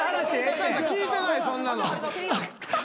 そんなの。